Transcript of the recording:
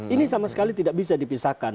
ini sama sekali tidak bisa dipisahkan